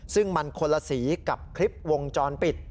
ซึ่งมันคนละสีกับคลิปวงจรปิด